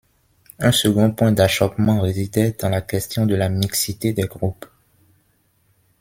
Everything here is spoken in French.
Un second point d'achoppement résidait dans la question de la mixité des groupes.